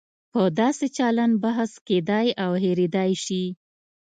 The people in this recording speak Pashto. په داسې چلن بحث کېدای او هېریدای شي.